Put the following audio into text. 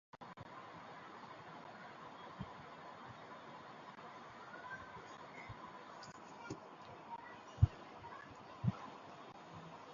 তন্মধ্যে, তিন ভাই শ্রীলঙ্কার পক্ষে টেস্ট ক্রিকেটে অংশগ্রহণের সুযোগ পেয়েছিলেন।